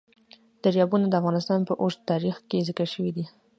دریابونه د افغانستان په اوږده تاریخ کې ذکر شوی دی.